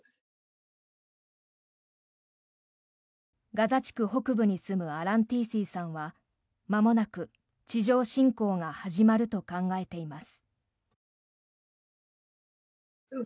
ガザ地区北部に住むアランティースィーさんはまもなく地上侵攻が始まると考えています。